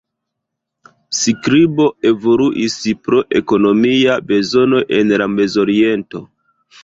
Skribo evoluis pro ekonomia bezono en la Mezoriento.